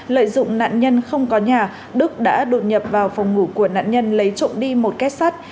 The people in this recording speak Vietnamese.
lợi dụng nạn nhân không có nhà đức đã đột nhập vào phòng ngủ của nạn nhân lấy trộm đi một kết sắt